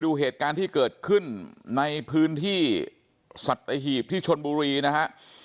ดูเหตุการณ์ที่เกิดขึ้นในพื้นที่สัตหีบที่ชนบุรีนะฮะ